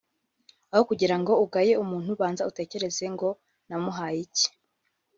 aho kugira ngo ugaye umuntu banza utekereze ngo namuhaye iki